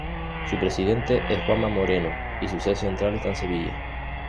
Su presidente es Juanma Moreno y su sede central está en Sevilla.